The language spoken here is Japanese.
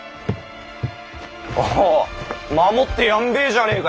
おう守ってやんべぇじゃねぇか！